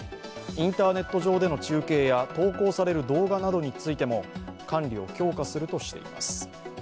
インターネット上の中継や投稿される動画などについても管理を強化するとしています。